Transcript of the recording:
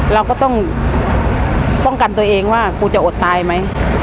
เราก็ต้องป้องกันตัวเองว่ากูจะอดตายไหม